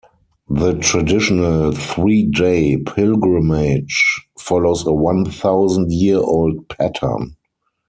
The traditional three-day pilgrimage follows a one-thousand-year-old pattern.